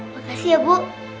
makasih ya bu